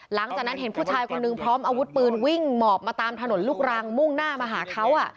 หลังจากนั้นเห็นผู้ชายคนนึงพร้อมอาวุธปืนวิ่งหมอบมาตามถนนลูกรังมุ่งหน้ามาหาเขา